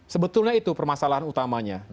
sebetulnya itu permasalahan utamanya